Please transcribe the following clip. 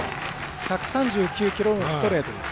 １３９キロのストレートです。